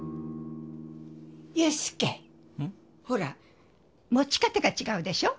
ほら持ち方が違うでしょ。